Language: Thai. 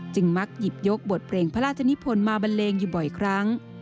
มักหยิบยกบทเพลงพระราชนิพลมาบันเลงอยู่บ่อยครั้ง